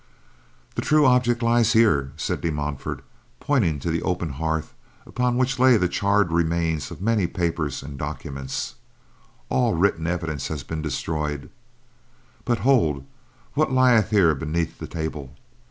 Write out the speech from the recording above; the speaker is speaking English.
"The true object lies here," said De Montfort, pointing to the open hearth upon which lay the charred remains of many papers and documents. "All written evidence has been destroyed, but hold what lieth here beneath the table?"